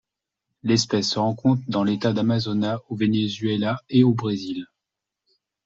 L'espèce se rencontre dans l'État d'Amazonas au Venezuela et au Brésil.